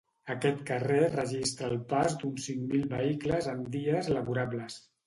Aquest carrer registra el pas d’uns cinc mil vehicles en dies laborables.